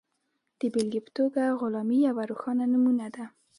د بېلګې په توګه غلامي یوه روښانه نمونه ده.